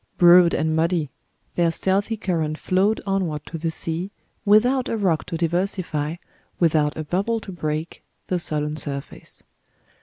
Broad and muddy, their stealthy current flowed onward to the sea, without a rock to diversify, without a bubble to break, the sullen surface.